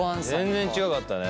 全然違かったね。